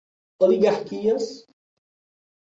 Oligarquias